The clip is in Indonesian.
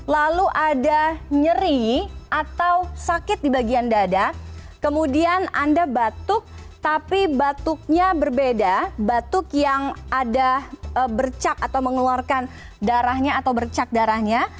lalu ada nyeri atau sakit di bagian dada kemudian anda batuk tapi batuknya berbeda batuk yang ada bercak atau mengeluarkan darahnya atau bercak darahnya